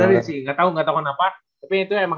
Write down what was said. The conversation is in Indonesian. gak tau ngatau kenapa tapi itu emang